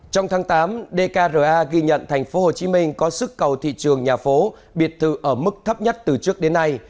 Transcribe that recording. trong tháng tám dkra ghi nhận thành phố hồ chí minh có sức cầu thị trường nhà phố biệt thự ở mức thấp nhất từ trước đến nay